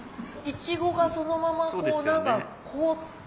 イチゴがそのままこう何か凍って。